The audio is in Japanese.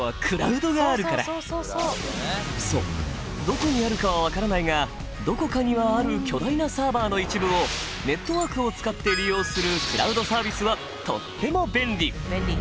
どこにあるかは分からないがどこかにはある巨大なサーバーの一部をネットワークを使って利用するクラウドサービスはとっても便利！